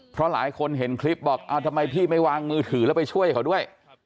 เพราะหลายคนเห็นคลิปบอกทำไมพี่ไม่วางมือถือแล้วไปช่วยเขาด้วย